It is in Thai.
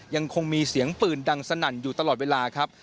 ยังคงมีเสียงปืนดังสนั่นอยู่ตลอดเวลาครับ